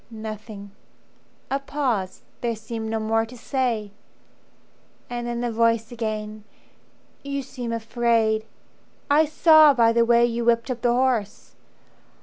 "Nothing." A pause: there seemed no more to say. And then the voice again: "You seem afraid. I saw by the way you whipped up the horse.